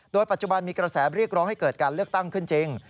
โดยปัจจุบันมีกระแสเรียกร้องให้เกิดการเลือกตั้งขึ้นจริง